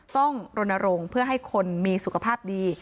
รณรงค์เพื่อให้คนมีสุขภาพดี